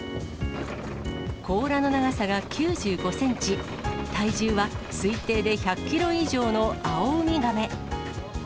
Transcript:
甲羅の長さが９５センチ、体重は推定で１００キロ以上のアオウミガメ。